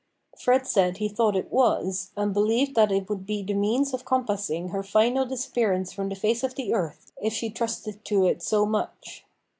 Fred said he thought it was, and believed that it would be the means of compassing her final disappearance from the face of the earth if she trusted to it so much.